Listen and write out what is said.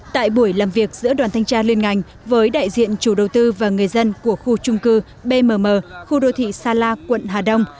tại buổi làm việc giữa đoàn thanh tra liên ngành với đại diện chủ đầu tư và người dân của khu trung cư bmm khu đô thị sa la quận hà đông